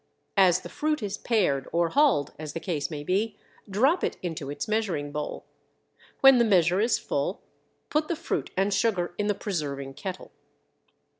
As the fruit is pared or hulled, as the case may be, drop it into its measuring bowl. When the measure is full put the fruit and sugar in the preserving kettle.